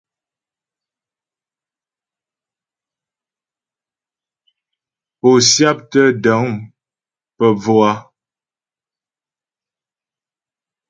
Pó syáptə́ dəŋ pə bvò a ?